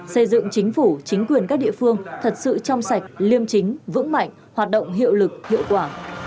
xây dựng chính phủ chính quyền các địa phương thật sự trong sạch liêm chính vững mạnh hoạt động hiệu lực hiệu quả